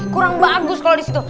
kurang bagus kalo disitu